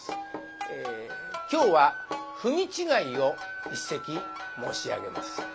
今日は「文違い」を一席申し上げます。